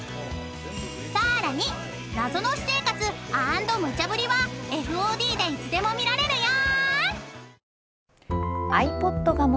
［さらに謎の私生活＆無茶振りはＦＯＤでいつでも見られるよ］